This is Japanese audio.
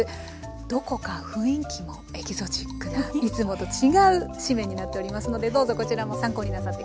どこか雰囲気もエキゾチックないつもと違う誌面になっておりますのでどうぞこちらも参考になさって下さい。